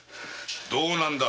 どうなんだ！？